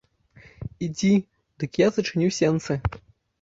Ідзі, дык я зачыню сенцы.